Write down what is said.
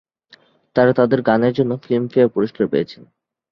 তারা তাদের গানের জন্য ফিল্মফেয়ার পুরস্কার পেয়েছেন।